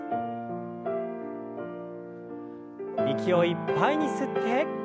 息をいっぱいに吸って。